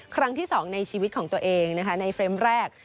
ครั้งที่๒ในชีวิตของตัวเองนะคะในเฟรมแรก